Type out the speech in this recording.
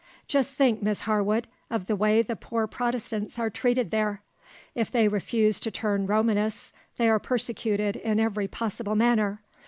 Just think, Miss Harwood, of the way the poor Protestants are treated there. If they refuse to turn Romanists, they are persecuted in every possible manner.